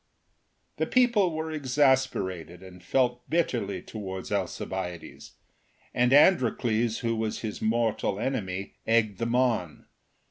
The people were exasperated, and felt bitterly towards Alcibiades, and Androcles, who was his mortal enemy, eggedthemon.